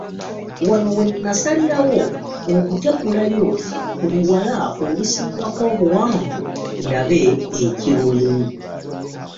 Wano we nasalirawo okutegulayo ku luwala olunsingako obuwanvu ndabe ekirulimu.